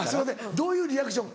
どういうリアクション。